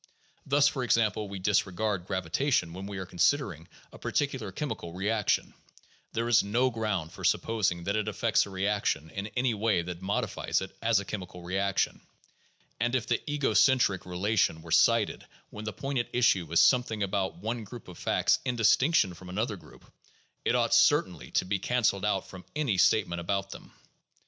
Thus, for example, we disregard gravitation when we are considering a particular chemical reaction ; there is no ground for supposing that it affects a reaction in any way that modifies it as a chemical reaction. And if the 'ego centric' re lation were cited when the point at issue is something about one group of facts in distinction from another group, it ought certainly to be canceled out from any statement about them.